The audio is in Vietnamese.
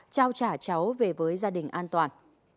trao trả cháu về với gia đình an toàn